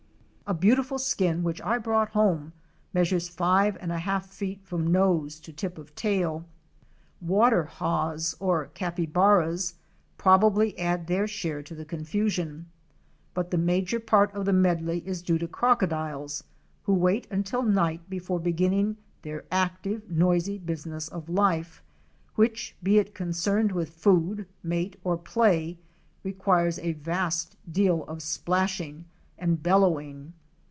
A beautiful skin which I brought home measures five and a half feet from nose to tip of tail. Water haas, or capybaras, probably add their share to the confusion, but the major part of the medley is due to crocodiles, who wait until night before beginning their active, noisy business of life, which, be it concerned with food, mate or play, requires a vast deal of splashing and bellowing.